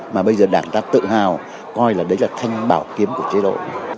mà bây giờ đảng ta tự hào coi là đấy là thanh bảo kiếm của chế độ